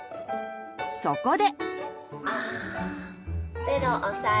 そこで。